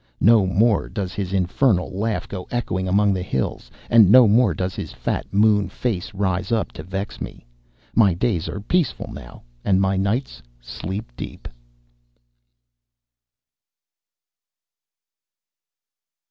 No more does his infernal laugh go echoing among the hills, and no more does his fat moon face rise up to vex me. My days are peaceful now, and my night's sleep deep.